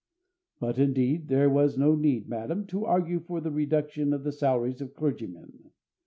But, indeed, there was no need, madam, to argue for the reduction of the salaries of clergymen.